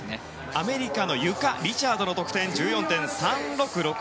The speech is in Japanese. アメリカのゆかリチャードの得点１４．３６６。